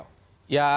ya teori politiknya sih